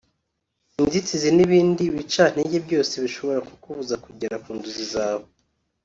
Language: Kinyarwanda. inzitizi n’ ibindi bicantege byose bishobora kukubuza kugera ku nzozi zawe